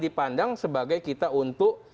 dipandang sebagai kita untuk